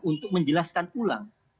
untuk menjelaskan ulang